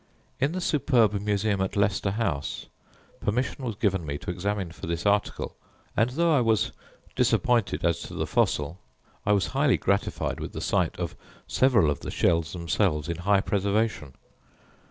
In the superb museum at Leicester house, permission was given me to examine for this article; and though I was disappointed as to the fossil, I was highly gratified with the sight of several of the shells themselves in high preservation.